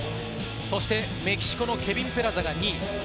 そしてメキシコのケビン・ペラザが２位。